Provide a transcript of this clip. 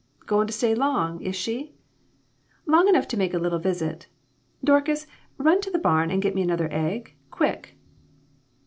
"Goin' to stay long, is she?" " Long enough to make a little visit. Dorcas, run to the barn and get me another egg, quick."